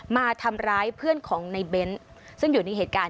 มาทำร้ายเพื่อนของในเบ้นซึ่งอยู่ในเหตุการณ์